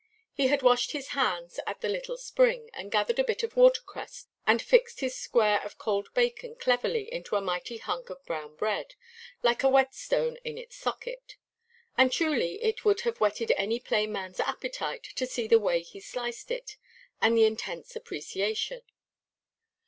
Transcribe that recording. He had washed his hands at a little spring, and gathered a bit of watercress, and fixed his square of cold bacon cleverly into a mighty hunk of brown bread, like a whetstone in its socket; and truly it would have whetted any plain manʼs appetite to see the way he sliced it, and the intense appreciation.